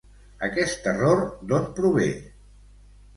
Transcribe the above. Aquest error d'on prové?